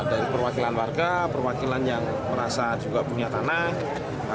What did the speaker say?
dari perwakilan warga perwakilan yang merasa juga punya tanah